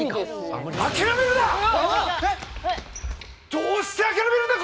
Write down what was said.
どうして諦めるんだ！